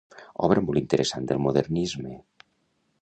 Obra molt interessant del modernisme.